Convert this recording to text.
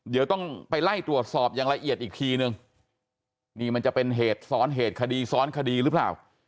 เดี๋ยวต้องไปไล่ตรวจสอบอย่างละเอียดอีกทีนึงนี่มันจะเป็นเหตุซ้อนเหตุคดีซ้อนคดีหรือเปล่า